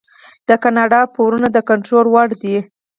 د کاناډا پورونه د کنټرول وړ دي.